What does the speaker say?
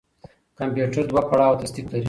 کمپيوټر دوهپړاوه تصديق لري.